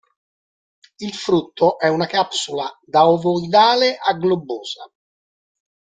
Il frutto è una capsula da ovoidale a globosa.